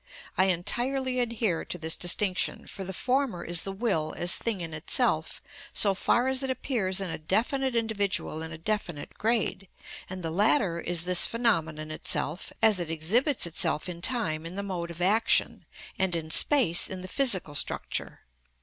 I entirely adhere to this distinction, for the former is the will as thing in itself so far as it appears in a definite individual in a definite grade, and the latter is this phenomenon itself as it exhibits itself in time in the mode of action, and in space in the physical structure.